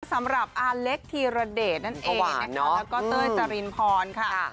สำหรับอาเล็กธีรเดชนั่นเองนะคะแล้วก็เต้ยจรินพรค่ะ